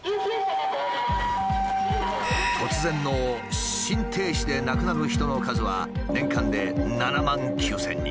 突然の心停止で亡くなる人の数は年間で７万９，０００人。